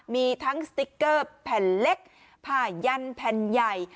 มีทั้งสติ๊กเกอร์แผ่นเล็กผ้ายันแผ่นใหญ่